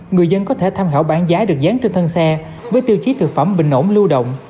người dân có thể tham khảo bản giá được dán trên thân xe với tiêu chí thực phẩm bình ổn lưu động